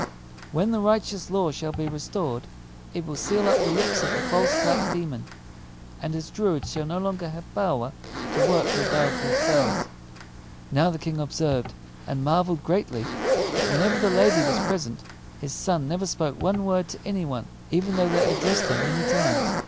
When the righteous law shall be restored, it will seal up the lips of the false black demon; and his druids shall no longer have power to work their guileful spells." Now the King observed, and marveled greatly, that whenever the lady was present his son never spoke one word to any one, even though they addressed him many times.